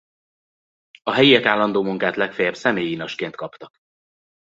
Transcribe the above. A helyiek állandó munkát legfeljebb személyi inasként kaptak.